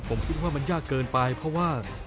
ผมคิดว่ามันยากเกินไปเพราะว่า